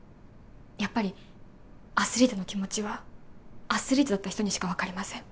やっぱりアスリートの気持ちはアスリートだった人にしか分かりません